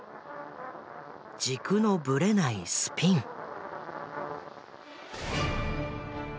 軸のブレないスピン。